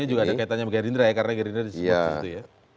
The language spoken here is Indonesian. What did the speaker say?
ini juga ada kaitannya dengan gerindra ya karena gerindra disipu